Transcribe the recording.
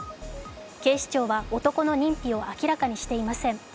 警視庁は男の認否を明らかにしていません。